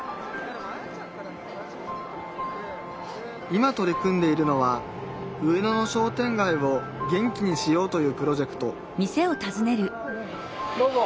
今取り組んでいるのは上野の商店街を元気にしようというプロジェクトどうぞ。